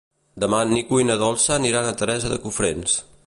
Demà en Nico i na Dolça aniran a Teresa de Cofrents.